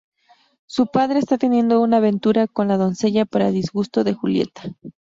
Su padre está teniendo una aventura con la doncella, para disgusto de Julieta.